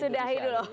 kita sudahi dulu